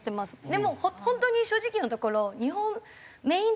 でも本当に正直なところ。